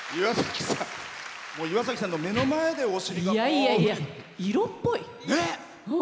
岩崎さんの目の前でお尻がこう。